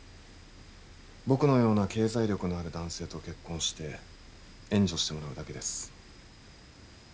僕のような経済力のある男性と結婚して援助してもらうだけです